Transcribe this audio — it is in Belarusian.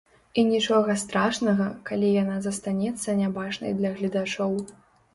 І нічога страшнага, калі яна застанецца нябачнай для гледачоў.